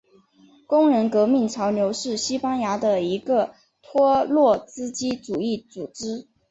工人革命潮流是西班牙的一个托洛茨基主义组织。